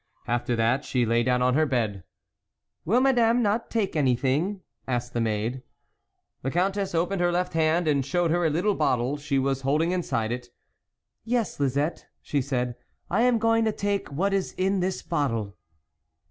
After that, she lay down on her bed. " Will Madame not take anything," asked the maid. The Countess opened her left hand, and showed her a little bottle she was holding inside it. " Yes, Lisette," she said, " I am going to take what is in this bottle."